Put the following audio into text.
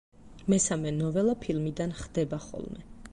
მესამე ნოველა ფილმიდან „ხდება ხოლმე“.